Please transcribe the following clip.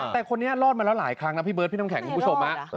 แต่คนนี้รอดมาแล้วหลายครั้งนะพี่เบิร์ดพี่น้ำแข็งคุณผู้ชม